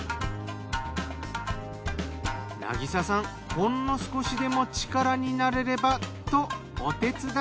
ほんの少しでも力になれればとお手伝い。